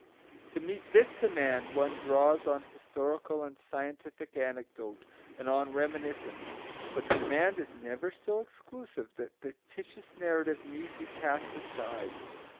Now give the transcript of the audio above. To meet this demand, one draws on historical and scientific anecdote, and on reminiscence. But the demand is never so exclusive that fictitious narrative need be cast aside.